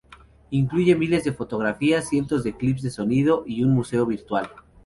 Incluye miles de fotografías, cientos de clips de sonido y un museo virtual.